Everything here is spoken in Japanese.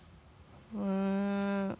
うん。